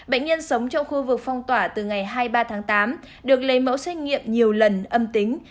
bệnh nhân sống trong khu vực phong tỏa từ ngày hai mươi ba tháng tám được lấy mẫu xét nghiệm nhiều lần âm tính